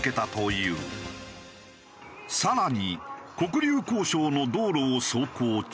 更に黒竜江省の道路を走行中。